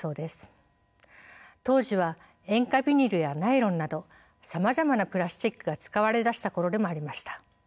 当時は塩化ビニルやナイロンなどさまざまなプラスチックが使われだした頃でもありました。